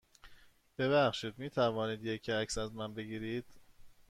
ببخشید، می توانید یه عکس از من بگیرید؟